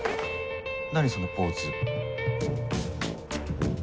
何そのポーズ